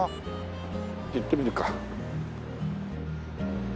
行ってみるか。